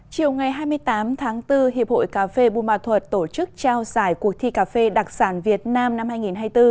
chiều ngày hai mươi tám tháng bốn hiệp hội cà phê bù mà thuật tổ chức trao giải cuộc thi cà phê đặc sản việt nam năm hai nghìn hai mươi bốn